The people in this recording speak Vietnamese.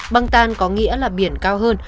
băng tan có nghĩa là biển cao hơn